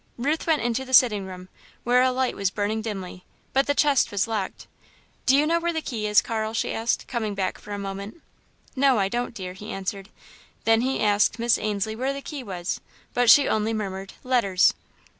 Ruth went into the sitting room, where a light was burning dimly, but the chest was locked. "Do you know where the key is, Carl?" she asked, coming back for a moment. "No, I don't, dear," he answered. Then he asked Miss Ainslie where the key was, but she only murmured: "letters."